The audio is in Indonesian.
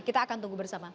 kita akan tunggu bersama